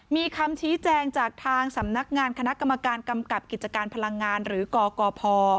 มีคำชี้แจงจากทางสำนักงานคณะกรรมการกำกับกิจการพลังงานหรือกกพ